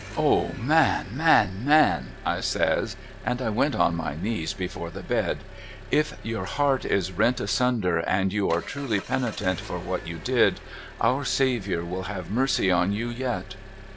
' O man, man, man !' I says, and I went on my knees beside the bed ;' if your heart is rent asunder and you are truly penitent for what you did, Our Saviour will have mercy on you yet